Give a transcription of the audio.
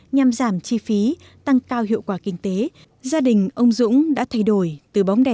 nhằm giảm chi phí tăng cao hiệu quả kinh tế